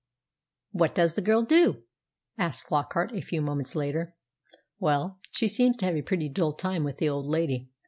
"What does the girl do?" asked Flockart a few moments later. "Well, she seems to have a pretty dull time with the old lady.